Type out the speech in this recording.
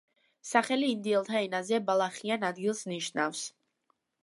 სახელი ინდიელთა ენაზე „ბალახიან ადგილს“ ნიშნავს.